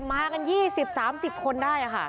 มากัน๒๐๓๐คนได้ค่ะ